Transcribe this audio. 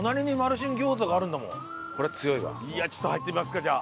いやちょっと入ってみますかじゃあ。